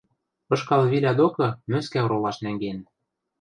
ышкал виля докы мӧскӓ оролаш нӓнген.